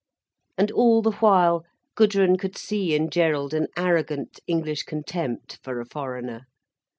And all the while Gudrun could see in Gerald an arrogant English contempt for a foreigner.